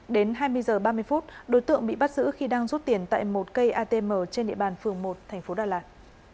đến hai mươi h ba mươi phút đối tượng bị bắt giữ khi đang rút tiền tại một cây atm trên địa bàn phường một thành phố đà lạt